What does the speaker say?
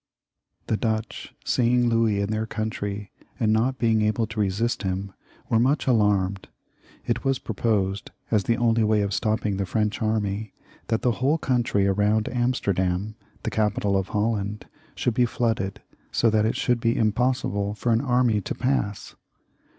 The Dutch seeing Louis in their country, and not being able to resist him, were much alarmed. It was proposed, as the only way of stopping the French army, that the whole coimtry round Amsterdam, the capital of Holland, should be flooded, so that it would be impossible for an army to pass.